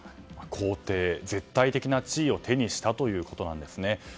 皇帝、絶対的な地位を手にしたということなんですね。